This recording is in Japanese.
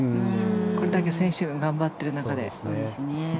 これだけ選手が頑張っている中で。